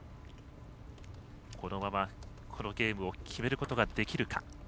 このまま、このゲームを決めることができるか。